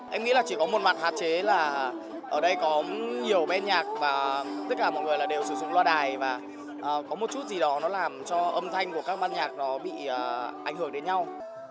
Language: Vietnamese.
em nghĩ là chỉ có một mặt hạn chế là ở đây có nhiều ben nhạc và tất cả mọi người đều sử dụng loa đài và có một chút gì đó nó làm cho âm thanh của các ban nhạc nó bị ảnh hưởng đến nhau